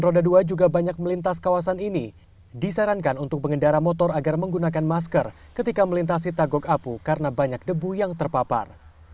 jika anda tidak banyak melintas kawasan ini disarankan untuk mengendara motor agar menggunakan masker ketika melintasi tagog apu karena banyak debu yang terpapar